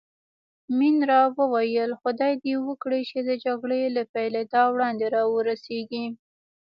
منیرا وویل: خدای دې وکړي چې د جګړې له پېلېدا وړاندې را ورسېږي.